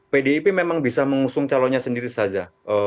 pdip memang bisa mengusung calonnya sendiri saja